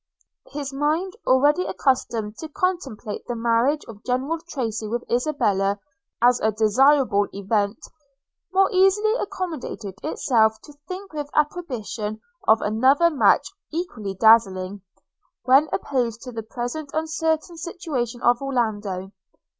His mind, already accustomed to contemplate the marriage of General Tracy with Isabella as a desirable event, more easily accommodated itself to think with approbation of another match equally dazzling, when opposed to the present uncertain situation of Orlando.